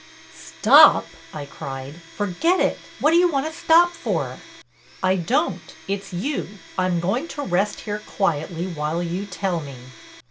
"Stop!" I cried. "Forget it! What do you want to stop for?" "I don't—it's you. I'm going to rest here quietly while you tell me."